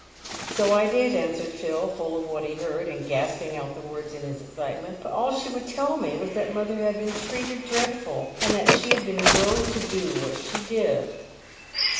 " So I did," answered Phil, full of what he heard, and gasping out the words in his excitement ;" but all she would tell me was that mother had been treated dreadful, and that she had been drove to do what she did."